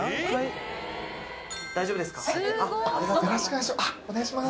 大丈夫ですか？